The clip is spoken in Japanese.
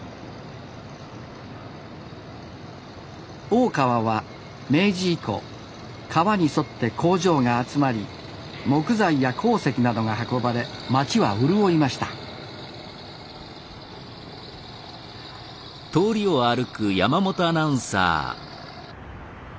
大川は明治以降川に沿って工場が集まり木材や鉱石などが運ばれ街は潤いました川沿いの街天満。